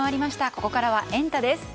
ここからはエンタ！です。